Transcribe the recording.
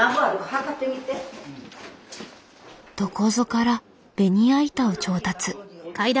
どこぞからベニヤ板を調達。